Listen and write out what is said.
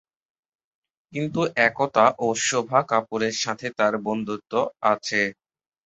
কিন্তু একতা ও শোভা কাপুরের সাথে তার বন্ধুত্ব আছে।